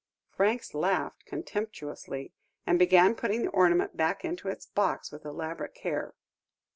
Franks laughed contemptuously, and began putting the ornament back into its box with elaborate care.